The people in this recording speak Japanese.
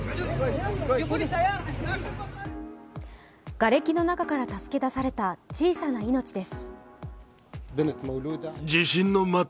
がれきの中から助け出された小さな命です。